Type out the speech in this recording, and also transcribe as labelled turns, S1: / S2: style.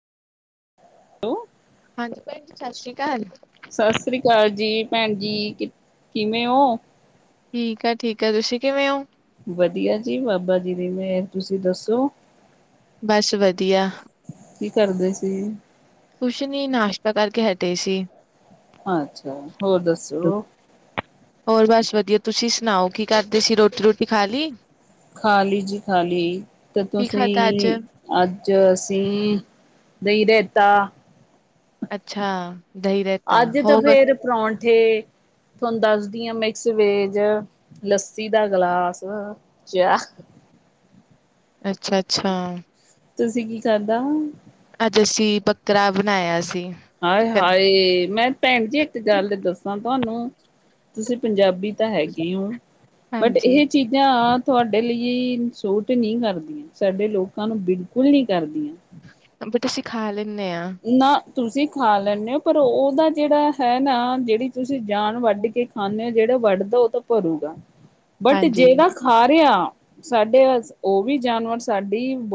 S1: Hello.
S2: ਹਾਂਜੀ ਭੈਣ ਜੀ, ਸਤਿ ਸ਼੍ਰੀ ਅਕਾਲ।
S1: ਸਤਿ ਸ੍ਰੀ ਅਕਾਲ ਜੀ ਭੈਣ ਜੀ, ਕਿਵੇਂ ਹੋ?
S2: ਠੀਕ ਆ-ਠੀਕ ਆ ਤੁਸੀਂ ਕਿਵੇਂ ਔ?
S1: ਵਧੀਆ ਜੀ, ਬਾਬਾ ਜੀ ਦੀ ਮਿਹਰ ਤੁਸੀਂ ਦੱਸੋ?
S2: ਬਸ ਵਧੀਆ਼।
S1: ਕੀ ਕਰਦੇ ਸੀ?
S2: ਕੁਛ ਨਹੀ, ਨਾਸ਼ਤਾ ਕਰਕੇ ਹਟੇ ਸੀ।
S1: ਅੱਛਾ ਹੋਰ ਦੱਸੋ?
S2: ਹੋਰ ਬਸ ਵਧੀਆ। ਤੁਸੀਂ ਸੁਣਾਓ ਕੀ ਕਰਦੇ ਸੀ? ਰੋਟੀ- ਰੋਟੀ ਖਾ ਲਈ।
S1: ਖਾਲੀ ਜੀ, ਖਾਲੀ ਤੇ
S2: ਕੀ ਖਾਧਾ ਅੱਜ
S1: ਤੁਸੀਂ ਅੱਜ ਅਸੀਂ ਦਹੀਂ ਰੇਤਾ।
S2: ਅੱਛਾ ਦਹੀਂ ਰਾਇਤਾ
S1: ਅੱਜ ਤਾਂ
S2: ਹੋਰ
S1: ਫੇਰ ਪਰੌਂਠੇ। ਤੁਹਾਨੂੰ ਦੱਸਦੀ ਹ ਮਿਕਸ ਵੇਜ ਲੱਸੀ ਦਾ ਗਲਾਸ ਚਾਹ
S2: ਅੱਛਾ-ਅੱਛਾ
S1: ਤੁਸੀਂ ਕੀ ਖਾਦਾ ਹੂੰਨ
S2: ਅੱਜ ਅਸੀ ਬੱਕਰਾ ਬਣਾਇਆ ਸੀ। ਚਿਕਨ
S1: ਹਾਏ-ਹਾਏ ਮੈਂ ਭੈਣ ਜੀ ਇੱਕ ਗੱਲ ਦੱਸਾਂ ਤੁਹਾਨੂੰ ਤੁਸੀਂ ਪੰਜਾਬੀ ਤਾਂ ਹੈਗੇ ਬਟ
S2: ਹਾਂਜੀ
S1: ਇਹ ਚੀਜ਼ਾਂ ਤੁਹਾਡੇ ਲਈ ਸੂਟ ਨਹੀਂ ਕਰਦੀਆਂ। ਸਾਡੇ ਲੋਕਾਂ ਨੂੰ ਬਿਲਕੁਲ ਨੀ ਕਰਦੀਆਂ।
S2: ਬਟ ਅਸੀਂ ਖਾ ਲੈਂਨੇ ਹਾਂ।
S1: ਨਾ ਤੁਸੀਂ ਖਾ ਲੈਂਦੇ ਹੋ ਪਰ ਉਹਦਾ ਜਿਹੜਾ ਹੈ ਨਾ ਜਿਹੜੀ ਤੁਸੀਂ ਜਾਨ ਵੱਢ ਕੇ ਖਾਨ ਜਿਹੜਾ ਵੱਢਦਾ ਉਹ ਤਾਂ ਭਰੂਗਾ ਬਟ
S2: ਹਾਂਜੀ
S1: ਜਿਹੜਾ ਹਾਰਿਆ ਸਾਡੇ ਉਹ ਵੀ ਜਾਨਵਰ ਸਾਡੀ ਬੋਡ